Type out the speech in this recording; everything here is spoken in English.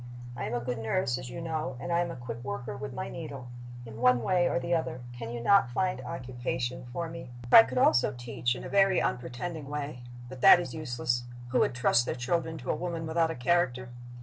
"I am a good nurse, as you know, and I am a quick worker with my needle. In one way or the other can you not find occupation for me? "I could also teach, in a very unpretending way. But that is useless. Who would trust their children to a woman without a character?